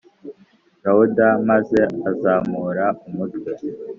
louder, maze azamura umutwe: -